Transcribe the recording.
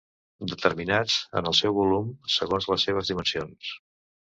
Determinats, en el seu volum, segons les seves dimensions.